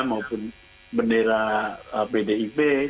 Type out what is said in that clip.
maupun bendera bdib